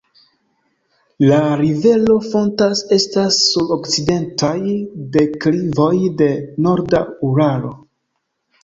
La rivero fontas estas sur okcidentaj deklivoj de Norda Uralo.